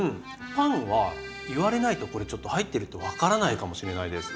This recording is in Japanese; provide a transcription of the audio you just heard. パンは言われないとこれちょっと入ってるって分からないかもしれないです。